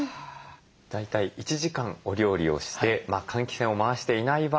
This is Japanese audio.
大体１時間お料理をして換気扇を回していない場合